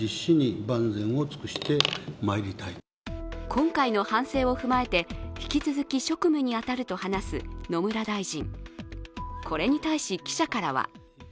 今回の反省を踏まえて引き続き職務に当たると話す野村大臣。